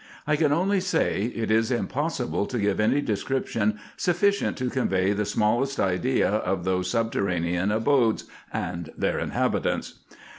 I can truly say, it is impossible to give any description sufficient to convey the smallest idea of those subterranean abodes, and their inhabitants.